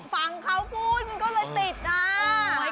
ก็ฟังเขาพูดก็เลยติดแล้ว